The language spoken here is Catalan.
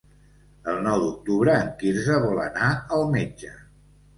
El nou d'octubre en Quirze vol anar al metge.